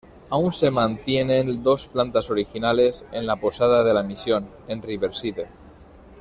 Aún se mantienen dos plantas originales, en la "Posada de la Misión" en Riverside.